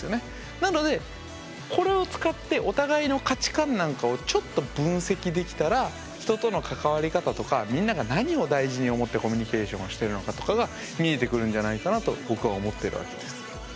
なのでこれを使ってお互いの価値観なんかをちょっと分析できたら人との関わり方とかみんなが何を大事に思ってコミュニケーションをしてるのかとかが見えてくるんじゃないかなと僕は思ってるわけです。